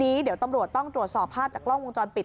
ตอนนี้ตำรวจยังไม่เชื่อสิ่งที่อามพูดทั้งหมดนี่นะคะ